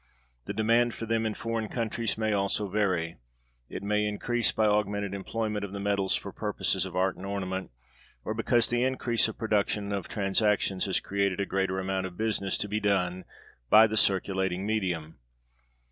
The demand for them in foreign countries may also vary. It may increase by augmented employment of the metals for purposes of art and ornament, or because the increase of production and of transactions has created a greater amount of business to be done by the circulating medium.